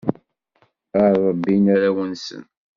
Ad rebbin arraw-nsen.